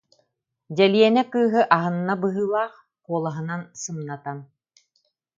Дьэлиэнэ кыыһы аһынна быһыылаах, куолаһын сымнатан: